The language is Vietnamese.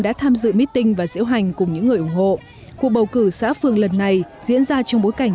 đã tự mít tinh và diễu hành cùng những người ủng hộ cuộc bầu cử xã phường lần này diễn ra trong bối cảnh